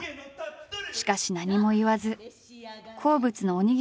しかし何も言わず好物のおにぎりを握るのだった。